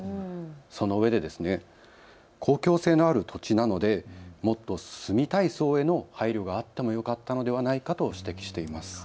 そのうえで公共性のある土地なのでもっと住みたい層への配慮があってもよかったのではないかと指摘しています。